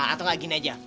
atau gak gini aja